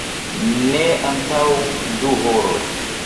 Ne antaŭ du horoj.